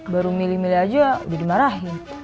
baru milih milih aja udah dimarahin